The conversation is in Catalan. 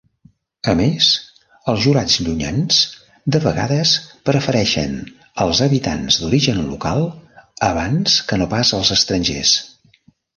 A més, els jurats llunyans de vegades prefereixen els habitants d'"origen local" abans que no pas els estrangers.